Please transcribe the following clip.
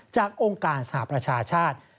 จากองค์การสหรัฐประชาชาติ